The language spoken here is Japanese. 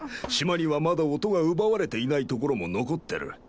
島にはまだ音が奪われていないところも残ってる。